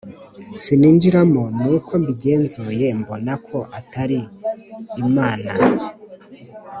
Sininjiramo Nuko mbigenzuye mbona ko atari Imanao